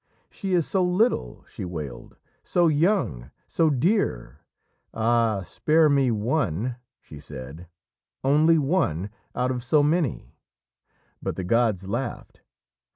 "She is so little!" she wailed. "So young so dear! Ah, spare me one," she said, "only one out of so many!" But the gods laughed.